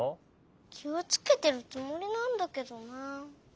きをつけてるつもりなんだけどなあ。